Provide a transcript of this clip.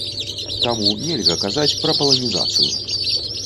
Таму нельга казаць пра паланізацыю.